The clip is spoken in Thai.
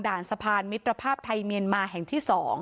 สะพานมิตรภาพไทยเมียนมาแห่งที่๒